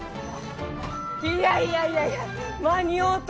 いやいやいやいや間に合うた！